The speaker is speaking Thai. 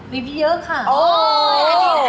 รีวิวพี่เยอะค่ะ